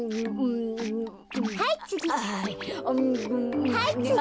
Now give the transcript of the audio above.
はいつぎ。